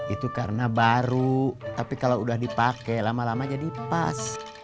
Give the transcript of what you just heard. itu karena baru tapi kalau udah dipakai lama lama jadi pas